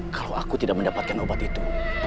kalau aku tidak mendapatkan obat itu